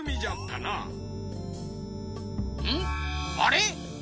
あれ？